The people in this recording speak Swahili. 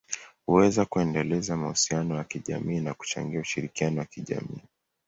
huweza kuendeleza mahusiano ya kijamii na kuchangia ushirikiano wa kijamii.